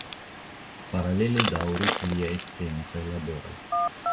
Paralele daŭris liaj sciencaj laboroj.